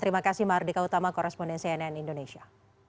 terima kasih mardika utama koresponden cnn indonesia